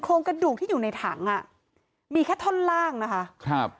โครงกระดูกที่อยู่ในถังอ่ะมีแค่ท่อนล่างนะคะครับ